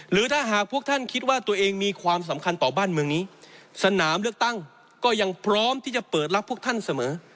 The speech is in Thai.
หรือถ้าหากพวกท่านคิดว่าตัวเองมีความสำคัญต่อบ้านเมืองนี้สนามเลือกตั้งก็ยังพร้อมที่จะเปิดรับพวกท่านเสมอ